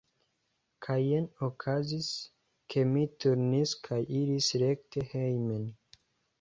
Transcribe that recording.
Kaj jen okazis, ke mi turnis kaj iris rekte hejmen.